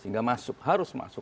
sehingga masuk harus masuk